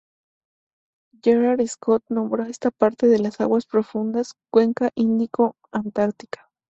Gerhard Schott nombró esta parte de las aguas profundas "cuenca Índico-Antártica".